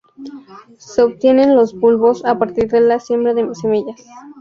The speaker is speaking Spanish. Se obtienen los bulbos a partir de la siembra de semillas.